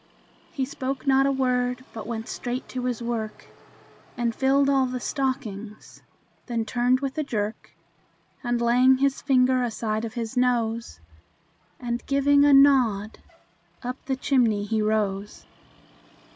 He spoke not a word, but went straight to his work, And filled all the stockings; then turned with a jerk, And laying his finger aside of his nose, And giving a nod, up the chimney he rose.